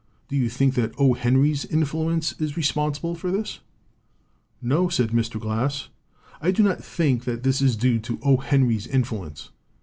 Do you think that O. Henry's influence is respon sible for this?" "No," said Mr. Glass, "I do not think that this is due to O. Henry's influence.